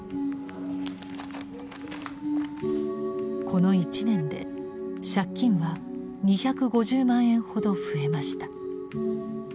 この１年で借金は２５０万円ほど増えました。